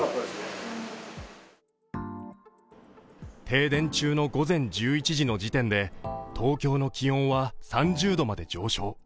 停電中の午前１１時の時点で東京の気温は３０度まで上昇。